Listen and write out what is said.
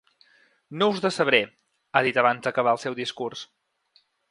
No us decebré, ha dit abans d’acabar el seu discurs.